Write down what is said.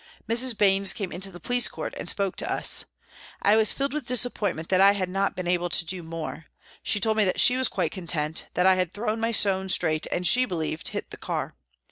* Mrs. Baines came into the police court and spoke to us. I was filled with disappointment that I had not been able to do more. She told me that she was quite content, that I had thrown my stone straight, and, she believed, hit the car.